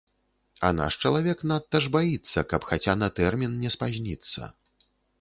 А наш чалавек надта ж баіцца, каб хаця на тэрмін не спазніцца.